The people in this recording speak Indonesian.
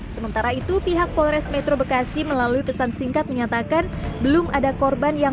sementara itu pihak polres metro bekasi melalui pesan singkat menyatakan belum ada korban yang